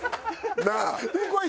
なあ！